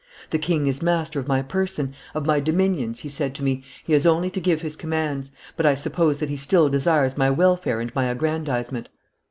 'The king is master of my person, of my dominions,' he said to me, 'he has only to give his commands; but I suppose that he still desires my welfare and my aggrandizement.